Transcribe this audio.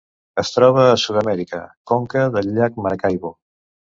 Es troba a Sud-amèrica: conca del llac Maracaibo.